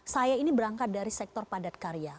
saya ini berangkat dari sektor padat karya